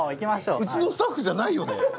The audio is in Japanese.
うちのスタッフじゃないよね？